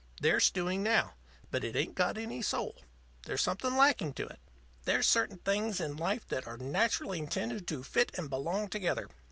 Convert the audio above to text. They're stewing now. But it ain't got any soul. There's something lacking to it. There's certain things in life that are naturally intended to fit and belong together.